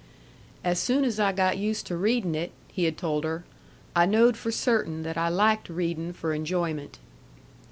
"As soon as I got used to readin' it," he had told her, "I knowed for certain that I liked readin' for enjoyment."